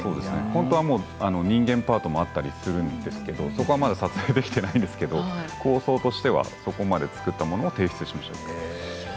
本当は人間パートもあったりするんですけれどそこはまだ撮影できていないですけれど放送としてはそこまで作ったものを提出しました。